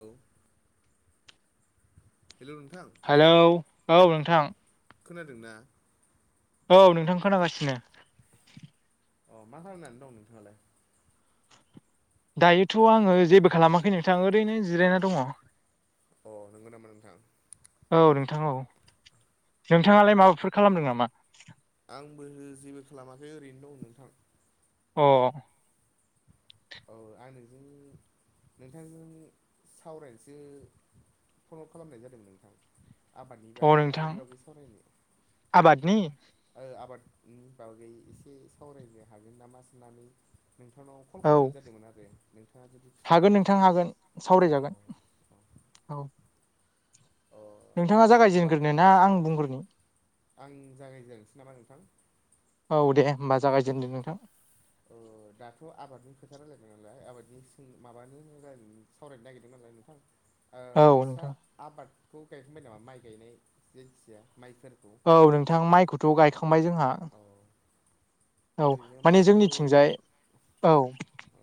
औ। हेल' नोंथां? हेलौ औ नोंथां। खोनादों नना? औ नोंथां खोनागासिनो। अ मा खालामनानै दं नोंथांङालाय? दायोथ' आंङो जेबो खालामाखै नोंथां ओरैनो जिरायना दङ। अ नोंगौ नामा नोंथां? औ नोंथां औ नोंथांङालाय माबाफोर खालामदों नामा? आंबो जेबो खालामाखै ओरैनो दं नोंथां। अ। औ आं नोंजों नोंथांजों सावरायनोसो पनद खालामनाय जादोंमोन नोंथां? आबादनि अ बागै नोंथां आबादनि बागै सावरायनायाव आबादनि आबादनि बागै एसे सावरायनो हागोन नामा साननानै नोंथांनाव फन औ खालामनाय जादोंमोन आरो नोंथाङा जुदि फ्रिबा हागोन नोंथां हागोन अ सावरायजागोन अ औ। अ नोंथांङा होमबा जागायजेनग्रोन ना आं बुंग्रोनो? आं जागायजेनसै नामा नोंथां? औ दे होमबा जागायजेनदो नोंथां। दाथ' आबादनि खोथा रायलायदों नालाय आबादनि माबानो राय सावरायनो नागिरदोंमोन आरो नोंथां? औ नोंस्रा नोंथां आबादखौ गायखांबाय नामा माइ गायनाय जायखिजाया माइफोर? औ नोंथां माइखौथ' गायखांबाय जोंहा। औ औ ओरैनो माने माइखौ जोंनिथिंजाय औ औ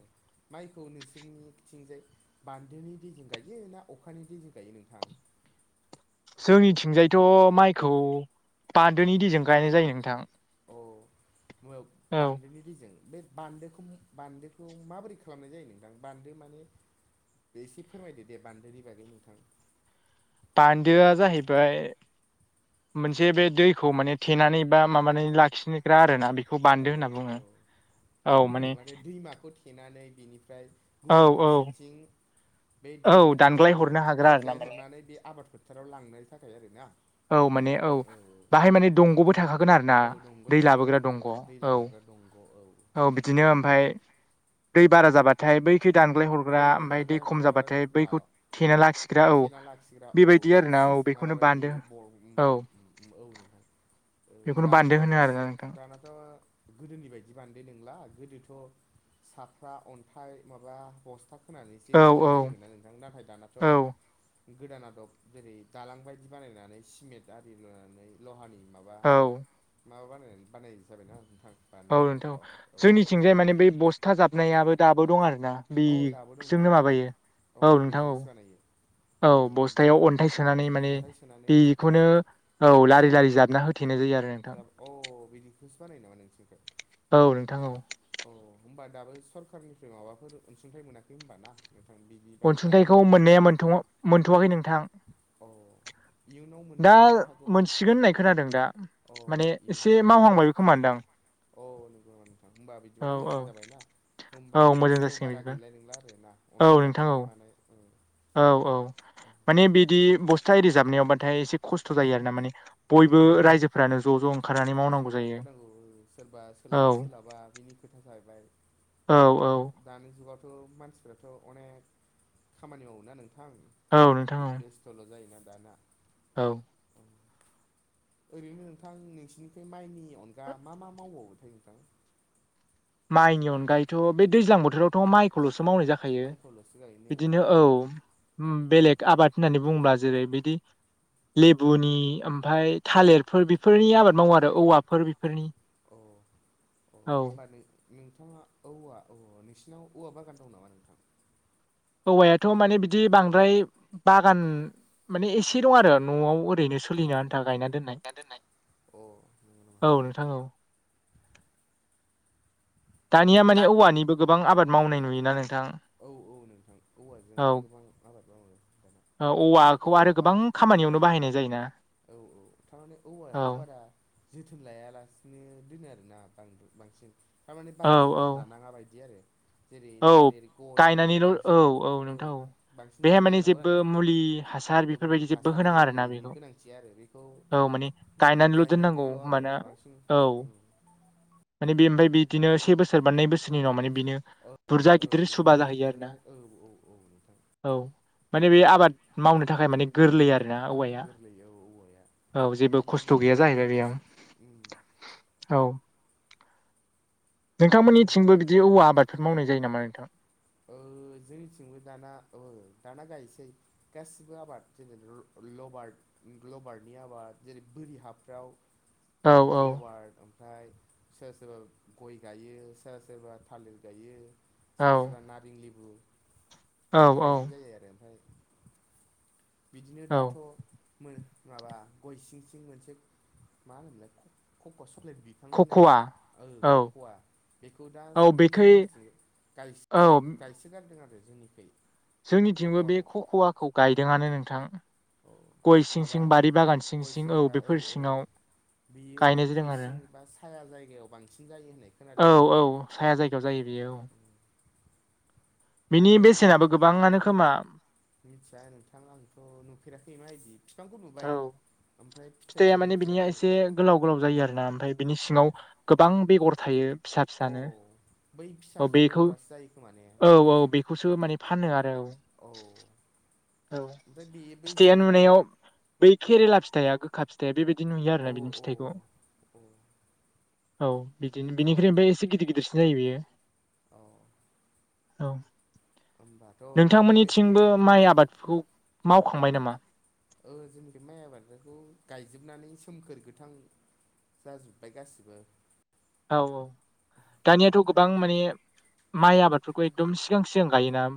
माइखौ नोंसोरनि थथिंजाय बान्दोनि दैजों गायो ना अखानि दैजों गायो नोंथां? जोंनिथिंजायथ' माइखौ बान्दोनि दैयजों गायनाय जायो नोंथां। अ मुवायाव औ बान्दोनि दैजों बे बान्दोखौ बान्दोखौ माबोरै खालामनाय जायो नोंथां बान्दो माने बे एसे फोरमायदो दे बान्दोनि बागै नोंथां? बान्दोआ जाहैबाय मोनसे बे दैखौ माने थेनानै बा माबानानै लाखिनो ग्रा आरो ना बेखौ बान्दो होनना बुंङो औ माने दैमाखौव थेनानै बिनिफ्राय औ गुबुन औ फारसेथिं बन्द औ दानग्लाय हरनो हाग्रा आरो ना माने दानग्लायहरनानै बे आबादफोरखौ फोथाराव लांनायनि थाखाय आरोना औ नोंथां माने औ औ औ बाहाय माने दंग'बो थाखागोन आरो ना औ औ दंबो दै थाफैबाय। लाबोग्रा दंग' औ दै लाबायग्रा दंग' औ। औ बिदिनो ओमफ्राय दै बारा जाबाथाय बै खै दानग्लाय हरग्रा बैखौ ओमफफ्राय दानग्लाय दै खम हरग्राबो जाबाथाय र' बैखौ थेना लाखि थेना लाखिग्रा औ बै सुइस माबा बेखौनो बायदि बान्दो ब'रट उम औ उम उम उम औ नोंथां। ओ बेखौनो बान्दो दानाथ' होनो सि आरोना नोंथां दानाथ' गोदोनि बायदि बान्दो नंला गोदोथ' साफ्रा अन्थाइ माबा बस्था खोनानैसो औ थेनाय औ जायोमोना नोंथां नाथाय दानाथ' औ गोदान आदब जेरै दालां बायदि बानायनानै सिमेन्ट आरि लुनानै लहानि माबा औ माबा बानाय बानाय जाबायना नोंथां। औ बान्दोखौ नोंथां औ औ जोंनिथिंजाय माने बै बस्था जाबनायाबो दाबो दं आरो ना। औ दाबो दं नामा बेजोंनो नोंथां माबायो औ नोंथां औ। बेजोंसो बानायो औ बस्थायाव अन्थाइ सोनानै माने अन्थाइ सोनानै बेखौनो औ लारि लारि जाबना होथेनाय जायो आरो नोंथां साब अ बिदिखौसो बानाय नामा नोंसोरखौ औ नोंथां औ अह होनबा दाबो सरखारारनिफ्राय माबाफोर अनसुंथाइ मोनाखै होनबा ना नोंथां बि अनसुंथाइखौ मोननायाथ मोनथ'वाखै नोंथां। अ इयुनाव दा मोननो हागौ। मोनसिगोन होननाय खोनादों दा अ माने इयो एसे मावहांबाय बे खोमादां। अ नंगौ नामा नोंथां होमबा बिदिबाथ' औ औ मोजां जाबाय ना। होनबा औ मोजां खस्थ' जासिगोन बारा बिदिबा गैलाय नंला आरो ना औ अन्थाइ नोंथां औ जाबनाय मानाय उम औ औ माने बिदि बस्था एरिजाबनायाव बाथाय एसे खस्थ' जायो आरो ना माने बयबो रायजोफ्रानो ज' ज' ओंखारनानै ज'जों मावनांगौ जायो ओंखारनांगौ सोरबा औ सोलाबो सोलाबा बिनि खोथा जाहैबाय। औ औ दानि जुगावथ' मानसिफ्राथ' अनेक खामानि मावोना नोंथां। औ नोंथां औ बेस्थ'ल' जायोना दानया। औ ओरैनो नोंथां नोंसिनिफ्राय माइनि अनगा मा मा मावबावोथाय नोंथां? माइनि अनगायैथ' बे दैज्लां बोथोरावथ' माइखौल'सो मावनाय जाखायो। बिसो गायनो बिदिनो आरो औ ओरैबो उम बेलेग आबाद होननानै बुङोबा जेरै बिदि लेबुनि ओमफाय थालिरफोर बेफोरनि आबाद मावो आरो औवाफोर बेफोरनि अ अ औ होनबानो नोंथाङा औवा औ नोंसिनाव औवा बागान दं नामा नोंथां? औवायाथ' माने बिदि बांद्राय बागान माने एसे दं आरो न'आव ओरैनोसो औ सोलिनो आन्था गायना दोननाय अ नंगौ नामा? औ नोंथां औ। दानिया दा माने औवानिबो गोबां आबाद मावनाय नुयोना नोंथां। औ औ नोंथां औवाजों गोबां आबाद मावदों दाना। ओ थारमाने औवाखौ औवा आरो बा गोबां खामानियावनो बाहायनाय जायोना। औ औ थारे माने औ औवखौ बारा जोथोन लायालासिनो दोनो आरोना बां बांसिन थारमाने औ बारा औ जोथोन लानाङा बायदि आरो जेरै औ थालिर गयफोरखौ गायनानैल' औ बांसिन औ ओ नोंथां औ बांसिन बेहाय जोथोन माने लानांगौ जेबो नालाय मुलि हासार ओमुनि बेफोरबायदि जेबो हासार होनाङा आरोना जेबोयदि बेखौ गोनांथि आरो बेखौ औ माने गायनानैल' दोननांगौ गायनांगौल' आरो होमबाना बांसिन औ उम। माने बे ओमफ्राय बिदिनो से बोसोर बा नै बोसोरनि उनाव माने बेनो ओ ओ बे बेर बुरजाय औ औ औ नोंथां। औ माने बे आबाद मावनो थाखाय माने गोरलै आरो [unintelligible] औवाया गोरलै औ औवाया औ जेबो थारमाने खस्थ' नों गैया बेखौ जाहैबाय उम बेयाव औ नोंथांमोननिथिंबो बिदि औवा आबादफोर मावनाय जायो नामा नोंथां? ओ जोंनिथिंबो दाना औ दाना गायोसै। गासिबो आबाद जेन [unintelligible] लबार ग्लबारनि आबाद जेरै बोरि हाफ्राव औ लबार ओमफ्राय सोरबा सोरबा गय गायो सोरबा सोरबा थालिर गायो सोरबा औ सोरबा नारें लेबु औ बेखौ औ गायनाय जायो आरो ओमफ्राय बिदिनो औ दाथ' मो-माबा गय सिं सिं मोनसे मा होनोमोनलाय कक' चक्लेट बिफ फां होननाय खख'वा ओ औ खक'वा बेखौ औ दासान्दि बेखै जोंनि गायस औ गायसोगारदों आरो जोंनिखै। जोंनिथिंबो बे कक'वाखौ खख'वाखौ गायदोंआनो नोंथां। अ गय बे सिं माबा सिं बारि बागान सिं गय सिं सिंफा बेफोर औ औ। सिङाव बियो गायनाय जादों आरो गयसिं एबा साया जायगायाव बांसिन जायो होननाय खोनादों औ नोंथां। औ साया जायगायाव जायो बेयो औ बिनि नाथाय बेसेनाबो गोबाङानो खोमा। मिथिया नोंथां आंथ' नुफेराखै मायदि बिफांखौ नुबाय ओमफ्राय थाइया फिथाइखौ माने बिनिया नुफेराखै एसे गोलाव गोलाव जायो आरोना ओमफ्राय बिनि औ सिङाव गोबां बेगर थायो। फिसा अ फिसानो बै फिसा फिसा बेगरासो जायो खोमा ने नोंथां? खौसो माने फानो आरो औ। औ ओमफ्राय बे बै फिथाइानो नुनायाव बै केरेला फिथाइआ गोखा फिथाइया बेबायदि नुयो औ आरोना बिनि औ फिथाइखौ। औ औ बिदिनो बिनिखफ्राय ओमफ्राय एसे गिदिर गिदिरसिन जायो बेयो। औ औ खबा नोंथांमोननिथिंबो माइ आबादखौ मावखांबाय नामा? ओ-जोंनि बे माइ आबादखौ गायजोबनानै सोमखोर गोथां। जाजोब्बाय गासिबो। औ औ दानियाथ' गोबां माने माइ आबादफोरखौ एकदम सि सिगां सिगां गायोना?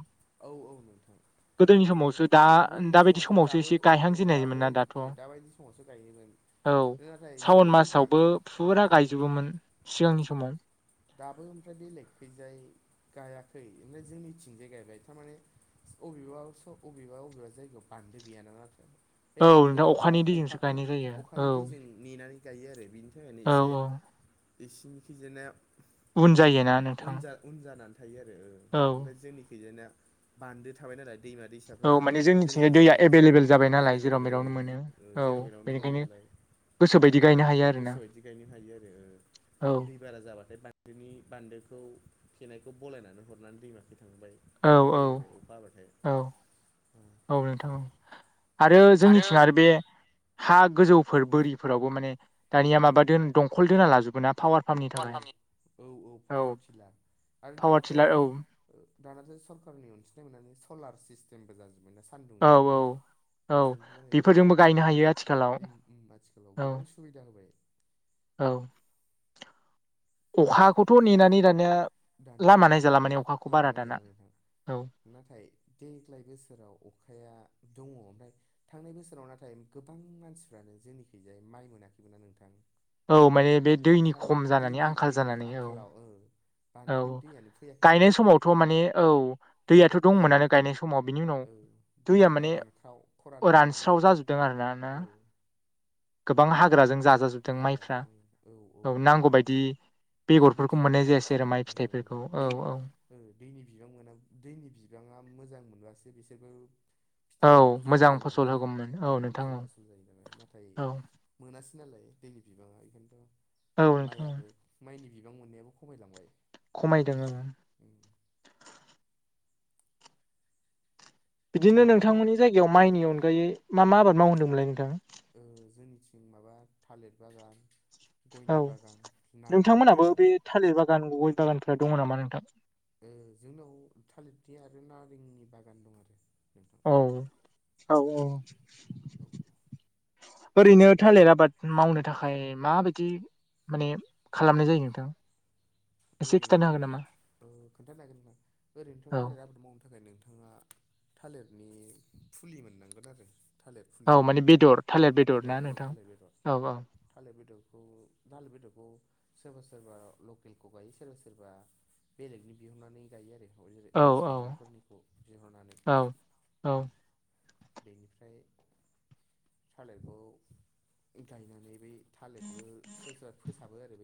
औ औ नोंथां गोदोनि थारमाने समावसो दा गोदोनि दाबायदि समावथ' समावसो दाबो एसे ओ-दाबो गायहांजेननायमोन ना दाथ' औ ओ-दाबायदि समावसो गायोमोन नाथाय सावन जोंनिखि‌ बां मासावबो फुरा ओम। गायजोबोमोन सिगांनि समाव दाबो ओमफ्राय बे लेगखैजाय गायाखै ओमफ्राय जों मिथिंजाय गायबाय थारमाने। अबेबा बबेबा अबेबा जायगायाव बान्दो गैयाना नाथाय बे औ बान्दो नोंथां गैयैआ अखानि दैजोंसो अखाखौ गायनाय जायो औ अखानि दैजों। नेनानै गायो आरो बिनि थाखायनो औ एसे औ इसिनिखिजायना। उन जायोना नोंथां उनजा उन जानानै थायो आरो ओ। औ ओमफ्राय जोंनिखैजा बान्दो थाबाय नालाय दैमा दै फिसाफ्रा औ माने जोंनिथिंजाय दैया जोंनिखिजाय एभेलेबेल जाबाय नालाय जेराव एभेलेबेल औ मेरावनो मोनो औ ओ-जेराव बेेरावनो मोनो बेनिखायनो नालाय। गोसोबायदि गायनो हायो आरोना गोसो बायदि गायनो हायो आरो ओ। औ दै बारा जाबाथाय बान्दोनि बान्दोखौ थेनायखौ बलायनानै हरनानै दैमाखै थांबाय। औ बिदि औ जायो आरो अबेखा हाबाथाय। औ उम। औ नोंथां। आरो जोंनिथिं आरो बे हा गोजौफोर बोरिफोरावबो माने दानिया माब दोन दं खल दोना लाजोबोना पावार फार्मनि थाखाय [unintelligible] औ औ पावारटिल आरो पावार टिलार औ दानाथ'। दानाथ' सरखारारनि अनसुंथाइ मोननानै सलार सिस्टेमबो जाजोबबाय ना औ सान्दुंजोंनो औ औ बेजोंबो मानो बेफोरजोंबो गायनो हायो आथिखालाव आथिखालाव औ गोबां सुबिदा होबाय औ अखाखौथ' नेनानै दानिया दानिया लामा नाय ओहो जाला माने अखाखौ लामा बारा नायजाला दाना नोंथां औ नाथाय देग्लाय बोसोराव अखाया दङ ओमफ्राय थांनाय बोसोराव नाथाय गोबां मानसिफ्रानो जोंनिखिजाय माइ मोनाखैमोन नोंथां औ माने बे दैनि खम माने जानानै दैनि आंखाल दैनि जानानै औ आंखालाव ओ औ बान्दोनि दैयानो फैयाखैना गायनाय नोंथां समावथ' माने औ ओं दैयाथ' दंमोनानो गायनाय समाव बिनि उनाव ओ बिनि दैया उनाव माने रानख्राव खरान जालांदों रानस्राव आरो जाजोबदों आरोना ना ओ औ गोबां हाग्राजों जाजाजोबदों माइफ्रा औ नांगौबायायदि दैनि बेगरफोरखौ बिबांखौ मोननाय जायासै आरो मोनासैना माइ ओहो फिथाइफोरखौ औ दैनि औ दैनि बिबां मोना दैनि बिबाङा मोजां मोनब्लासो बिसोरबो फिथाइआ औ मोजां जायो फसल नालाय होगौमोन औ नोंथां मोजां औ फसल जायो नालाय नाथाय औ मोनासै नालाय दैनि बिबाङा औ इखायनोथ' नोंथां औ माइयाबो माइनि बिबां मोननायाबो खमायलांबाय खमायदों ओं उम बिदिनो नोंथाङा नोंथांमोननि जायगायाव माइनि अनगायै मा मा आबाद मावो होदोंमोनलाय नोंथां ओ जोंनिथिं माबा थालिर बागान औ गयनि बागान नारें नोंथांमोनाबो लेबु बे थालिर बागान गय बागानफोरा दङ नामा नोंथां? उ जोंनाव थालिरथि आरो नारेंनि बागान दं आरो नोंथां औ औ औ औ ओरैनो थालिर आबाद मावनो थाखाय माबायदि माने खालामनाय जायो नोंथां एसे खिन्थानो ओरैनोथ' हागोन था नामा ओ खोन्थाजागोन नोंथां ओरैनोथ' औ थालिर आबाद मावनो थाखाय नोंथाङा थालिरनि फुलि मोननांगोन आरो थालिर फुलि औ माने बेदर थालिर ना बेदर औ नोंथां थालिर बेदर औ औ थालिर बेदरखौ दाल बेदरखौ सोरबा सोरबा लकेल खौ गायो सोरबा सोरबा बेलेगनि बिहुननानै गायो आरो ओ जेरै औ वेस्ट बेंगलफोरनिखौ बिहरनानै औ औ बेनिफ्राय थालिरखौ गायनानै बै थालिरखो सोरबा सोरबा फोसाबो आरो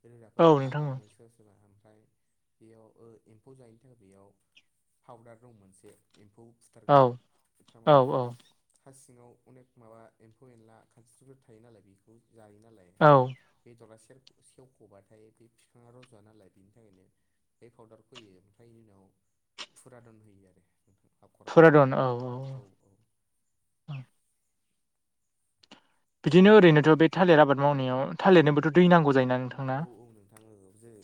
बै औ रोदाफोरखौ नोंथां औ हाफ्रामो सोरबा सोरबा ओमफ्राय बेयाव ओ एम्फौ जायैनि थाखाय बेयाव पाउदार दं मोनसे एम्फौ औ बुथारग्रा औ थामाने औ हा सिङाव अनेक माबा एम्फौ एनला खानस्रिफोर थायो नालाय बेखौ जायो नालाय औ ओमफ्राय बेदरा सेर-सेवख'बाथाय बे बिफाङा रज'वा नालाय बेनि थाखायनो बे फाउदारखो होयो ओमफ्रायनि उनाव फुरादन होयो आरो हाखर रन औ औ औ औ बिदिनो ओमफ्राय ओरैनोथ' बे थालिर आबाद मावनायाव थालिरनोबोथ' दै नांगौ जायोना नोंथां औ औ नोंथां औ जेरै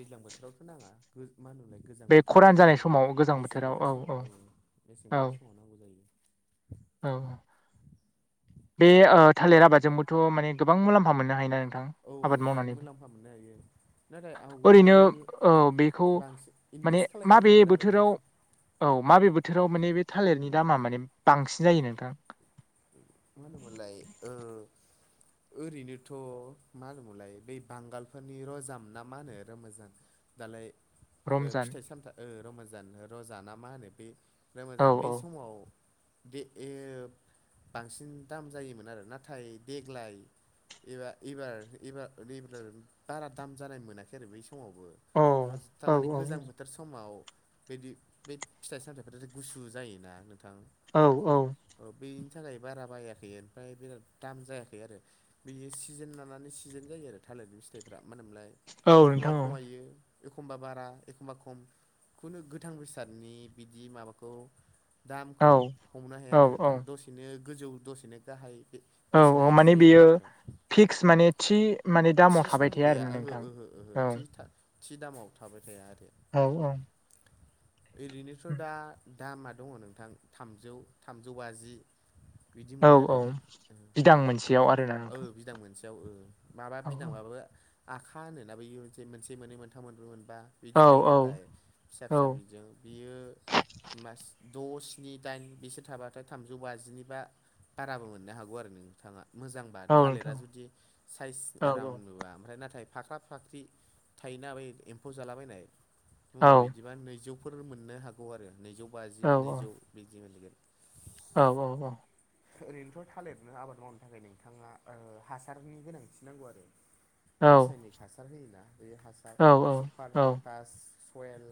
दैज्लां बोथोरावथ' नाङा गो मा होनोलाय गोजां बे बोथोर बै खरान जानाय जेब्ला समाव गोजां मेसें बोथोराव बोथोर समाव औ मेसें बोथोर समाव नांगौ जायो औ औ बे ओ थालिर आबादजोंबोथ' माने गोबां मुलाम्फा मोननो हायोना नोंथां? औ आबाद नोंथां मावनानैबो मुलाम्फा मोननो हायो नाथाय आवगोलाव ओरैनो नोङो औ बेखौ बांसि माने इनभेस्ट माबे खालायग्रोनांगोन आरो बोथोराव बांसिन औ माबे बोथोराव माने बे थालिरनि दामा माने बांसिन जायो नोंथां मा होनो मोनलाय ओ ओरैनोथ' मा होनोमोनलाय बै बांगालफोरनि रजाम ना मा होनो रमजान दालाय ओ रमजान फिथाइ सामथा ओ रमाजान रजा ना मा होनो बे औ रमाजान बे औ समाव बे एयो बांसिन दाम जायोमोन आरो नाथाय देग्लाय एबा एबार एबा रिब्ला बारा दाम जानाय मोनाखै आरो बै समावबो औ होज औ थारमाने गोजां औ बोथ थोर समाव बिदि बे फिथाइ सामथाइफ्राथ' गुसु जायोना नोंथां औ औ औ बेनि थाखाय बारा बायाखै ओमफ्राय बिराद दाम जायाखै आरो बियो सिजेन लानानै सिजेन जायो आरो थालिरनि फिथाइफ्रा मा होनोमोनलाय औ अखमबा नोंथां खमायो एखमबा बारा एखमबा खम खुनु गोथां बेसादनि बिदि माबाखौ औ औ दामखौ हमनो हाया औ नो औ नोंथां दसेनो गोजौ दसेनो गाहाय औ औ बेसेना इदि माने जायोनो बेयो नोंथां फिक्स माने थि माने दामाव थि थाबाय सम थाया गैया आरोना ओहो नोंथां ओहो ओहो औ थि था थि दामाव थाबाय थाया आरो औ औ [inaudible] ओरैनोथ' दा दामा दङ नोंथां थामजौ थामजौ बाजि बिदि औ मोनो आरो औ बिदां मोनसेयाव आरोना ओ नोंथां ओ बिदां मोनस याव ओ माबा औ बिदांबाबो आखा होनोना बैयो मोन मोनसे, मोननै, मोनथाम, मोनब्रै, मोनबा बिदि औ थायो औ नालाय फिसा औ फिसा बिजों बियो मास द' स्नि दाइन बिसोर थाबाथाय थामजौ बाजिनि बा बाराबो मोननो हागौ आरो नोंथाङा मोजां बा औ थालिरा नोंथां जुदि साइस औ आराम नुबा ओमफ्राय नाथाय फाख्रा फाख्रि थायोना बै एम्फौ जालाबायनाय औ [unintelligible] बिदिबा नैजौ फोर मोननो हागौ आरो नैजौ बाजि औ नैजौ बिदि मोनगोन। औ औ औ ओरैनोथ' थालिरनो आबाद मावनो थाखाय नोंथाङा ओ हासारनि गोनां [unintelligible] नांगौ आरो औ रासायनिक हासार होयोना, बे हासा औ [unintelligible] सुपार, औ पटास, सयेल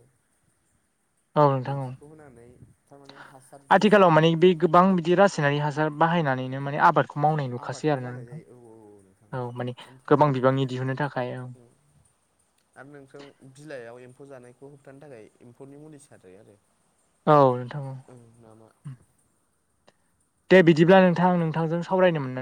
औ नोंथां औ बिदिखौ होनानै थारमाने हासारजोंसो आथिखालाव माने बे गोबां बिदि रासायनारि हासार बाहायनानैनो माने आबाद खौ मावनाय नुखासै आबादखौ आरोना मावनाय नोंथां जायो औ औ नोंथां औ माने ओमफ्राय गोबां बिबांनि दिहुननो थाखाय औ [inaudible] आरो नोंथां बिलाइयाव एम्फौ जानायखौ होबथानो थाखाय एम्फौनि मुलि सारजायो आरो औ नोंथां औ ओं नामा दे बिदिब्ला नोंथां नोंथांजों सावरायनो मोनना